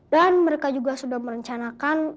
dan mereka juga sudah merencanakan